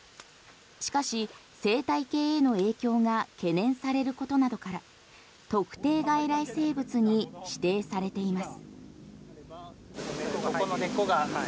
しかし、生態系への影響が懸念されることなどから特定外来生物に指定されています。